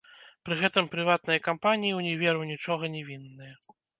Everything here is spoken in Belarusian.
Пры гэтым прыватныя кампаніі ўніверу нічога не вінныя.